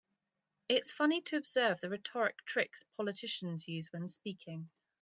It's funny to observe the rhetoric tricks politicians use when speaking.